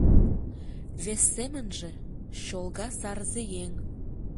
Вес семынже — чолга сарзе еҥ.